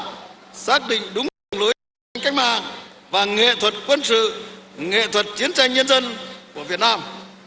một là xác định đúng đường lối cách mạng và nghệ thuật quân sự nghệ thuật chiến tranh nhân dân của việt nam